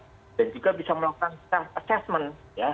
dan juga bisa melakukan assessment ya